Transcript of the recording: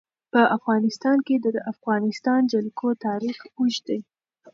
په افغانستان کې د د افغانستان جلکو تاریخ اوږد دی.